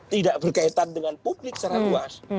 tidak berkaitan dengan publik secara luas